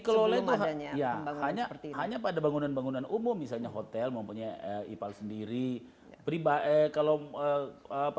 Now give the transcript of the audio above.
kelola itu hanya pada bangunan bangunan umum misalnya hotel mempunyai ipal sendiri pribadi kalau apa